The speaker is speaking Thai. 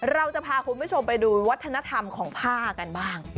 เราจะพาคุณผู้ชมไปดูวัฒนธรรมของผ้ากันบ้าง